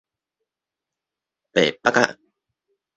白腹仔